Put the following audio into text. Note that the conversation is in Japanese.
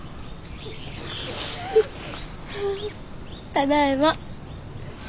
ただいま。